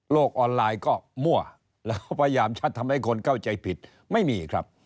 ออนไลน์ก็มั่วแล้วก็พยายามจะทำให้คนเข้าใจผิดไม่มีครับ